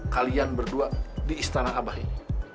kalian berdua di istana abah ini